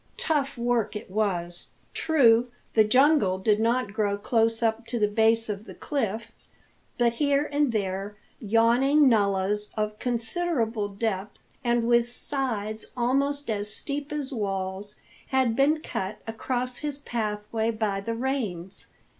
Tough work it was. True, the jungle did not grow close up to the base of the cliff; but here and there yawning nullahs, of considerable depth, and with sides almost as steep as walls, had been cut across his pathway by the rains.